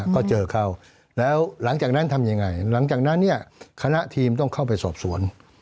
ก็เจอเขาแล้วหลังจากนั้นทำยังไงหลังจากนั้นเนี่ยคณะทีมต้องเข้าไปสอบสวน